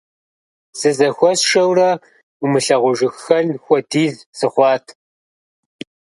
Зызэхуэсшэурэ, умылъагъужыххэн хуэдиз сыхъуат.